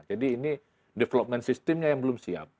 jadi ini development system nya yang belum siap